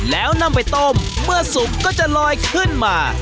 แล้วนำไปต้มเมื่อสุกก็จะลอยขึ้นมา